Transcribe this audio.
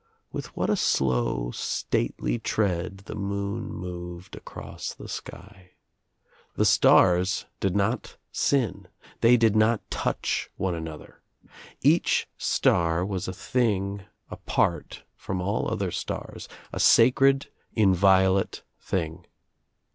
With what a slow stately tread the moon moved across the sky. The stars did not sin. They did not touch one another. Each star was a thing apart from all other stars, a sacred inviolate thing.